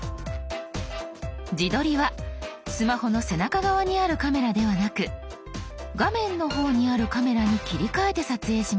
自撮りはスマホの背中側にあるカメラではなく画面の方にあるカメラに切り替えて撮影します。